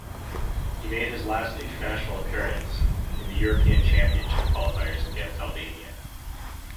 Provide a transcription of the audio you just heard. He made his last international appearance in the European Championship qualifiers against Albania.